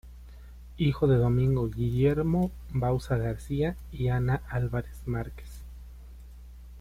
Hijo de Domingo Guillermo Bauzá García y Ana Álvarez Márquez.